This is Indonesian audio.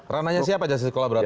ranahnya siapa justice collaborator